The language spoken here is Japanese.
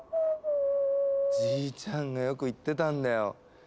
じいちゃんがよく言ってたんだよ。